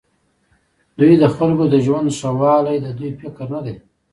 دوی د خلکو د ژوند ښهوالی د دوی فکر نه دی.